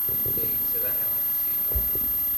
La yettraḥ nnefs-inu.